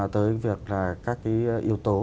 tới việc là các cái yếu tố